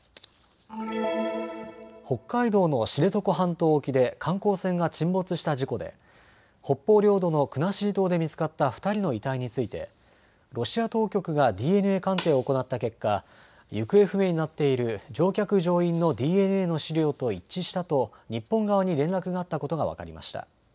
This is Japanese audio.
北海道の知床半島沖で観光船が沈没した事故で北方領土の国後島で見つかった２人の遺体についてロシア当局がＤＮＡ鑑定を行った結果、行方不明になっている乗客乗員のＤＮＡの資料と一致したと日本側に連絡があったことが分かりました。